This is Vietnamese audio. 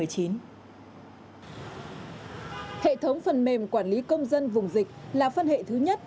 hệ thống phần mềm quản lý công dân vùng dịch là phân hệ thứ nhất